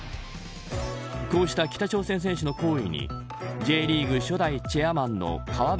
こうした北朝鮮選手の行為にＪリーグ初代チェアマンの川淵